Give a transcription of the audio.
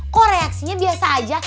kok reaksinya biasa aja